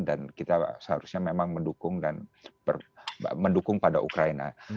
dan kita seharusnya memang mendukung pada ukraina